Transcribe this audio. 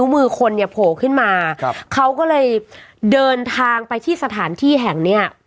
มือคนเนี่ยโผล่ขึ้นมาครับเขาก็เลยเดินทางไปที่สถานที่แห่งเนี้ย